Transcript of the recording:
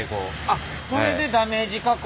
あっそれでダメージ加工？